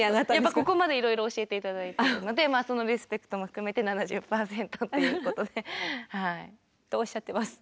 ここまでいろいろ教えて頂いているのでそのリスペクトも含めて７０％っていうことではい。とおっしゃっています。